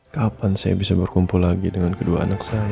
kapan saya bisa berkumpul lagi dengan kedua anak saya